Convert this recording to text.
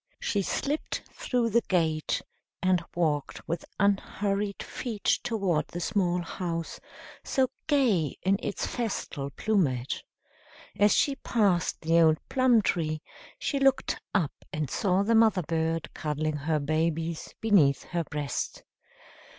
She slipped through the gate and walked with unhurried feet toward the small house, so gay in its festal plumage. As she passed the old plum tree she looked up and saw the mother bird cuddling her babies beneath her breast.